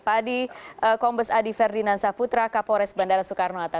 padi kombes adi ferdinand saputra kapores bandara soekarno hatta